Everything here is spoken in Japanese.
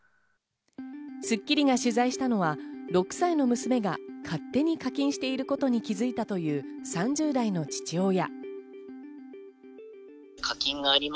『スッキリ』が取材したのは、６歳の娘が勝手に課金していることに気づいたという３０代の父親。